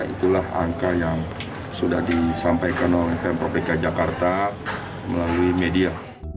itulah angka yang sudah disampaikan oleh pemprov dki jakarta melalui media